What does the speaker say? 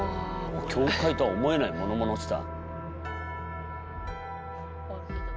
教会とは思えないものものしさ。